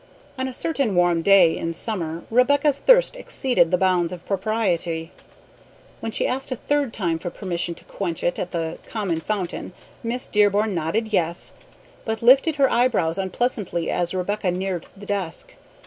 On a certain warm day in summer Rebecca's thirst exceeded the bounds of propriety. When she asked a third time for permission to quench it at the common fountain Miss Dearborn nodded "yes," but lifted her eyebrows unpleasantly as Rebecca neared the desk.